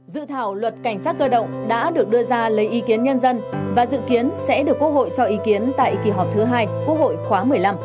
dự thảo luật cảnh sát cơ động đã được đưa ra lấy ý kiến nhân dân và dự kiến sẽ được quốc hội cho ý kiến tại kỳ họp thứ hai quốc hội khóa một mươi năm